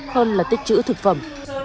hơn là tích chữ thực phẩm